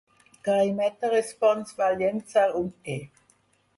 Gray Matter Response va llençar un E!